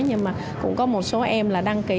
nhưng mà cũng có một số em là đăng ký